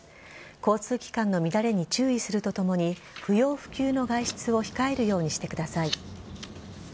交通機関の乱れに注意するとともに不要不急の外出を控えるようにしてください。